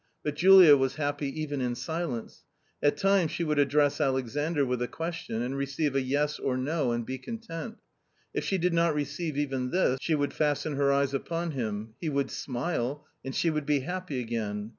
But Julia was happy even in silence. At times she would address Alex andr with a question and receive a " yes " or " no " and be content ; if she did not receive even this, she would fasten her eyes upon him ; he would smile, and she would be happy again.